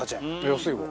安いわ。